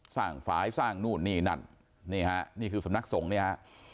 สร้างฝายสร้างนู่นนี่นั่นนี่คือสำนักสงค์เนี่ย